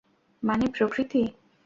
মানে, প্রকৃতি!